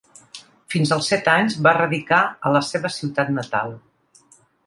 Fins als set anys va radicar a la seva ciutat natal.